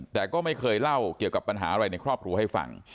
แต่ก็ไม่เคยเล่าเกี่ยวกับปัญหาอะไรในครอบครัวให้ฟัง